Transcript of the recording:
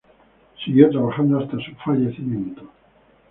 Siguió trabajando hasta su fallecimiento.